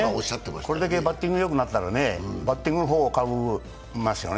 これだけバッティングよくなったら、バッティングかいますね